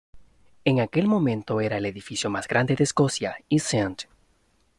En aquel momento era el edificio más grande de Escocia, y St.